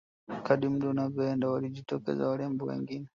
kadiri muda ulivyoenda walijitokeza warembo wengine